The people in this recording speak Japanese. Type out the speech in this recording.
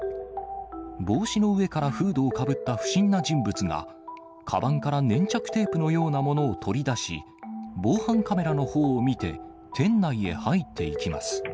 帽子の上からフードをかぶった不審な人物が、かばんから粘着テープのようなものを取り出し、防犯カメラのほうを見て店内へ入っていきます。